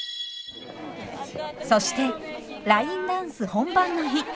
そしてラインダンス本番の日。